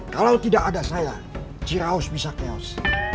kalau tidak ada saya ciraus bisa chaos